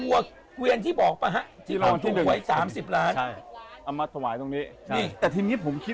แล้วพี่ก็ขุดตรงนี้เลยใช่